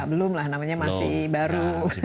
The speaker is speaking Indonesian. belum lah namanya masih baru